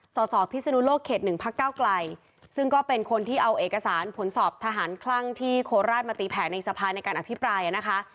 สสพิศนุโลกเขต๑พักเก้าไกลซึ่งก็เป็นคนที่เอาเอกสารผลสอบทหารคลั่งที่โคราชมาตีแผ่ในสภาในการอภิปรายนะคะ